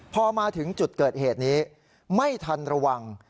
พอมาถึงจุดเกิดเหตุนี้ไม่ทันระวัง